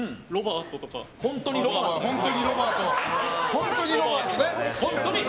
本当にロバートね。